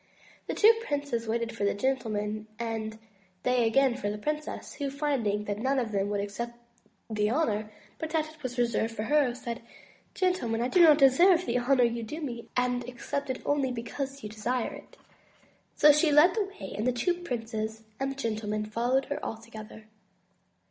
The two princes waited for the gentlemen, and they again for the princess, who, finding that none of them would accept the honor, but that it was reserved for her, said: "Gentle men, I do not deserve the honor you do me, and accept it only because you desire it." So she led the way, and the two princes and the gentlemen followed her all together.